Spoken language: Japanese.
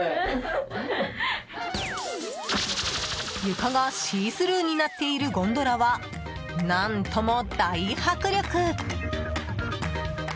床がシースルーになっているゴンドラは、何とも大迫力！